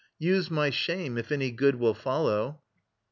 Use my shame, if any good Will follow.